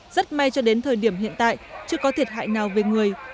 rất may cho đến thời điểm hiện tại chưa có thiệt hại nào về người